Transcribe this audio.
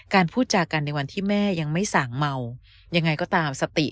พูดจากันในวันที่แม่ยังไม่สั่งเมายังไงก็ตามสติ